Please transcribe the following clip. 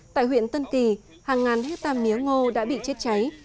tại huyện tân kỳ hàng ngàn hectare mía ngô đã bị chết cháy